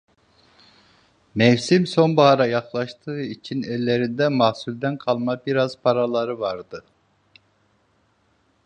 Mevsim sonbahara yaklaştığı için ellerinde mahsulden kalma biraz paraları vardı.